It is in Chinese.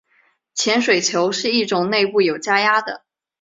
潜水球是一种内部有加压的。